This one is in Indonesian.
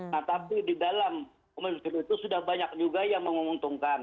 nah tapi di dalam komitmen itu sudah banyak juga yang menguntungkan